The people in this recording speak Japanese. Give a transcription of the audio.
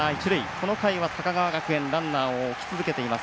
この回は高川学園ランナーを置き続けています